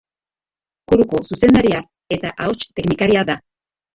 Koruko zuzendaria eta Ahots Teknikaria da.